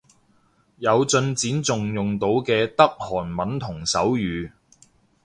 有進展仲用到嘅得韓文同手語